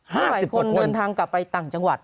ให้หลายคนเดินทางกลับไปต่างจังหวัด